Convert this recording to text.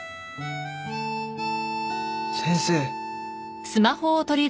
先生。